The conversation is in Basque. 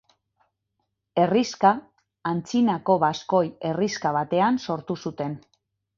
Herrixka antzinako baskoi herrixka batean sortu zuten.